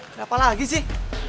kenapa lagi sih